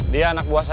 dia anak buah saya